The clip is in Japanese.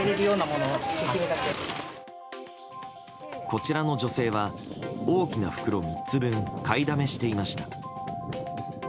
こちらの女性は大きな袋３つ分買いだめしていました。